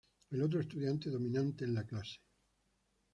El otro estudiante dominante en la clase.